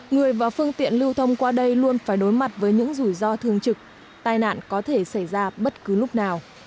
người và phương tiện lưu thông qua đây luôn phải đối mặt với những rủi ro thường trực tai nạn có thể xảy ra bất cứ lúc nào